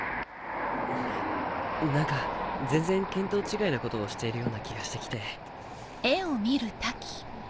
何か全然見当違いなことをしているような気がして来て。